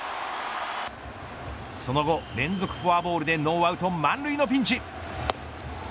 その後、連続フォアボールでノーアウト満塁のピンチ。